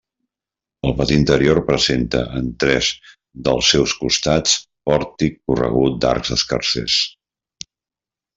El pati interior presenta en tres dels seus costats pòrtic corregut d'arcs escarsers.